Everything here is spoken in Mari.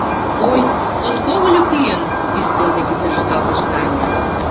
— Ой, подкогыльо кӱын! — ӱстел деке тӧршталтыш Таня.